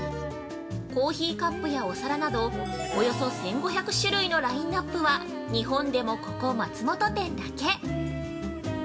コーヒーカップやお皿などおよそ１５００種類のラインナップは日本でも、ここ松本店だけ！